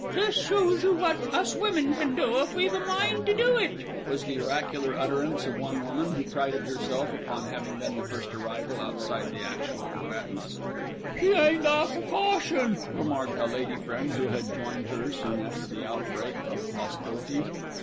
"Just shows you what us women can do if we've a mind to do it," was the oracular utterance of one woman, who prided herself upon having been the first arrival outside the actual combatants. "She ain't 'alf a caution," remarked a "lady friend," who had joined her soon after the outbreak of hostilities.